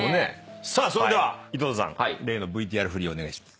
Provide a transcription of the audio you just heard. さあそれでは井戸田さん例のＶＴＲ振りお願いします。